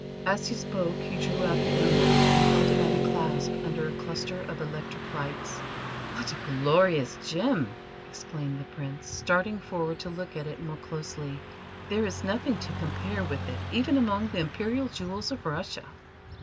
As he spoke he drew out the emerald, and held it by the clasp under a cluster of electric lights. "What a glorious gem!" exclaimed the Prince, starting forward to look at it more closely. "There is nothing to compare with it even among the Imperial jewels of Russia."